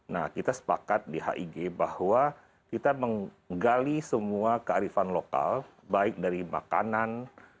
nah kita sepakat di hig bahwa kita menggali semua kearifan lokal baik dari makanan